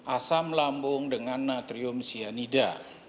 asam lambung dengan natrium cyanida